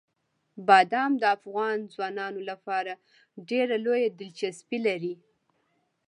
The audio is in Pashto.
بادام د افغان ځوانانو لپاره ډېره لویه دلچسپي لري.